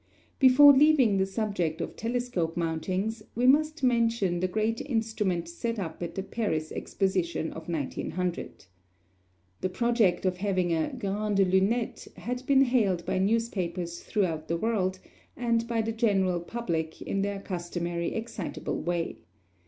Before leaving the subject of telescope mountings, we must mention the giant instrument set up at the Paris Exposition of 1900. The project of having a Grande Lunette had been hailed by newspapers throughout the world and by the general public in their customary excitable way.